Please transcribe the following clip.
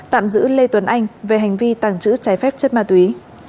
tạm giữ lê tuấn anh về hành vi tàng trữ trái phép chất ma túy